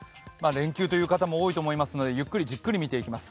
連休という方も多いと思いますのでゆっくりじっくり見ていきます。